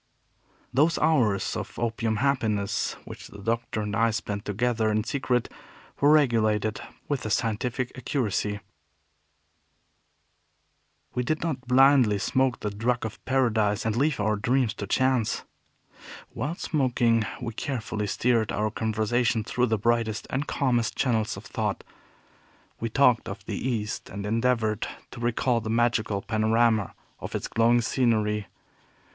Those hours of opium happiness which the Doctor and I spent together in secret were regulated with a scientific accuracy. We did not blindly smoke the drug of paradise, and leave our dreams to chance. While smoking, we carefully steered our conversation through the brightest and calmest channels of thought. We talked of the East, and endeavored to recall the magical panorama of its glowing scenery.